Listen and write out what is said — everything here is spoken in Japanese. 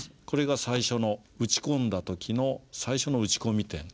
これが最初の打ち込んだ時の最初の打ち込み点。